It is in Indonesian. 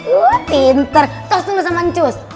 wuhh pinter tos dulu sama ancus